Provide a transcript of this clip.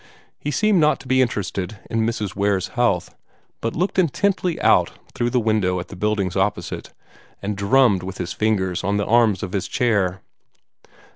He seemed not to be interested in Mrs. Ware's health, but looked intently out through the window at the buildings opposite, and drummed with his fingers on the arms of his chair.